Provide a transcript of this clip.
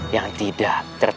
yang tidak akan berakhir